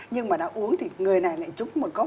nhưng mà đã uống thì người này lại chúc một cốc